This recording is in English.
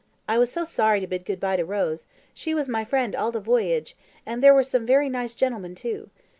I was so sorry to bid good bye to Rose; she was my friend all the voyage; and there were some very nice gentlemen, too.